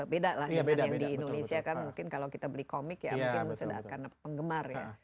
beda lah dengan yang di indonesia kan mungkin kalau kita beli komik ya mungkin karena penggemar ya